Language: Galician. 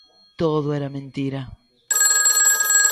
Todo era mentira.